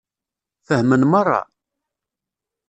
Fehmen meṛṛa?